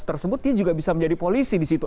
tersebut dia juga bisa menjadi polisi di situ